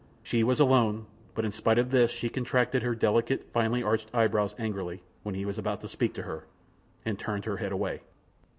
She was alone, but in spite of this she contracted her delicate, finely arched eyebrows angrily, when he was about to speak to her, and turned her head away.